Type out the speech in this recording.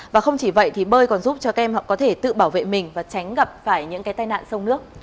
và không chỉ vậy thì bơi còn giúp cho các em họ có thể tự bảo vệ mình và tránh gặp phải những cái tai nạn sông nước